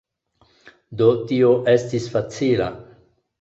Do tio estis facila.